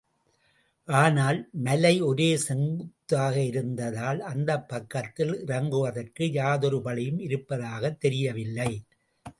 ஆனால், மலை ஒரே செங்குத்தாக இருந்ததால் அந்தப் பக்கத்தில் இறங்குவதற்கு யாதொரு வழியும் இருப்பதாகத் தெரியவில்லை.